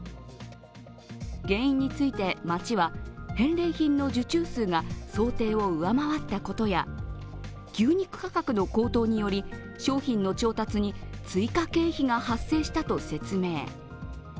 原因について、町は返礼品の受注数が想定を上回ったことや牛肉価格の高騰により商品の調達に追加経費が発生したと説明。